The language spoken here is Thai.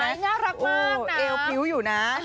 ทายน่ารักมากนะเอวผิวอยู่นะ